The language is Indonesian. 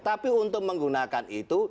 tapi untuk menggunakan itu